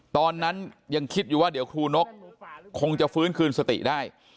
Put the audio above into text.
ตอนนั้นยังคิดอยู่ว่าเดี๋ยวครูนกคงจะฟื้นคืนสติได้